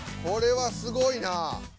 これはすごいなぁ！